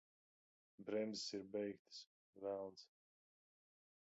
Bremzes ir beigtas! Velns!